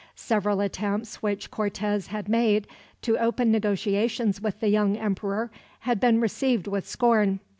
Several attempts which Cortez had made to open negotiations with the young emperor had been received with scorn.